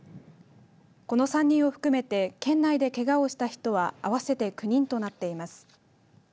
この３人を含めて県内で、けがをした人は合わせて９人となっています。